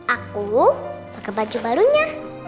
aku pakai baju barunya